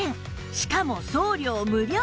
しかも送料無料